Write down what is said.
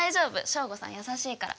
省吾さん優しいから。